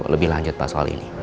lebih lanjut pak soal ini